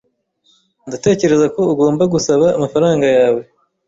Ndatekereza ko ugomba gusaba amafaranga yawe.